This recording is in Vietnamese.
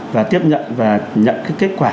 và tiếp nhận và nhận kết quả